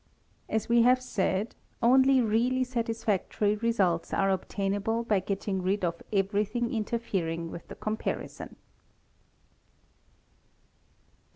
As we have said, only really satisfactory results are tainable by getting rid of everything interfering with the comparison.